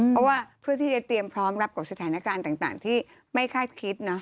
เพราะว่าเพื่อที่จะเตรียมพร้อมรับกับสถานการณ์ต่างที่ไม่คาดคิดนะ